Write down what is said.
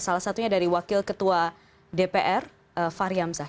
salah satunya dari wakil ketua dpr fahri hamzah